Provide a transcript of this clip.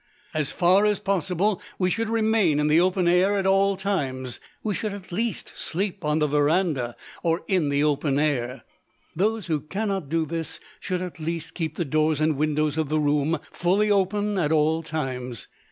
As far as possible, we should remain in the open air at all times. We should at least sleep on the verandah or in the open air. Those who cannot do this should at least keep the doors and windows of the room fully open at all times.